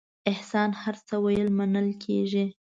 احسان هر څه ویل منل کېږي.